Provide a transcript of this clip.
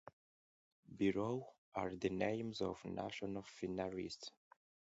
Below are the names of the national finalist.